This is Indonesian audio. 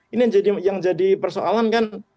ini yang jadi persoalan kan